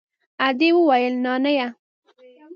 ادې وويل نانيه.